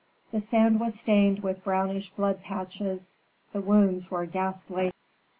The sand was stained with brownish blood patches; the wounds were ghastly.